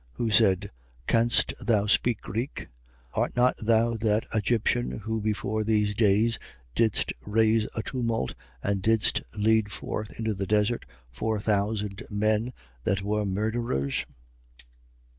Who said: Canst thou speak Greek? 21:38. Art not thou that Egyptian who before these days didst raise a tumult and didst lead forth into the desert four thousand men that were murderers?